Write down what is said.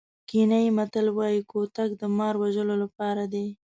کینیايي متل وایي کوتک د مار وژلو لپاره دی.